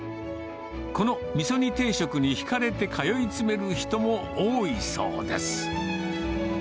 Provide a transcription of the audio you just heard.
この味噌煮定食に引かれて通い詰める人も多いそうです。